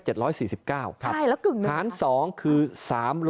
ใช่แล้วกึ่งหนึ่งครับ